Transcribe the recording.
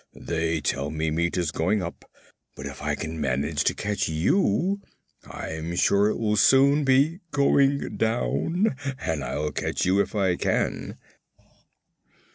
They tell me meat is going up, but if I can manage to catch you I'm sure it will soon be going down. And I'll catch you if I can."